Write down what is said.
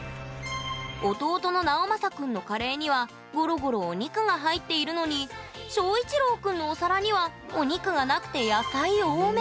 弟の直将くんのカレーにはゴロゴロお肉が入っているのに翔一郎くんのお皿にはお肉がなくて野菜多め！